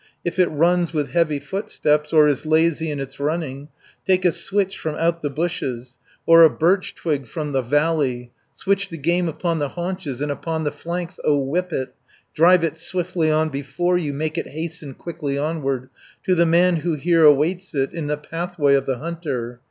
If it runs with heavy footsteps, Or is lazy in its running, Take a switch from out the bushes, Or a birch twig from the valley, 180 Switch the game upon the haunches, And upon the flanks, O whip it, Drive it swiftly on before you, Make it hasten quickly onward, To the man who here awaits it, In the pathway of the hunter.